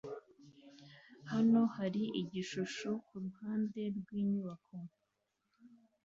Hano hari igishusho kuruhande rwinyubako